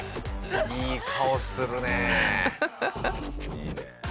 いいね。